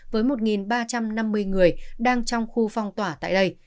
với một ba trăm năm mươi người đang trong khu phong tỏa tại đây